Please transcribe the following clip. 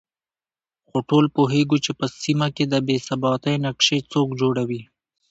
خو ټول پوهېږو چې په سيمه کې د بې ثباتۍ نقشې څوک جوړوي